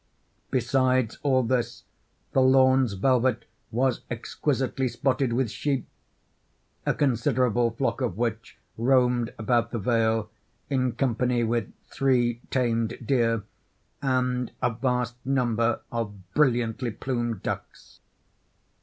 Besides all this, the lawn's velvet was exquisitely spotted with sheep—a considerable flock of which roamed about the vale, in company with three tamed deer, and a vast number of brilliantly plumed ducks.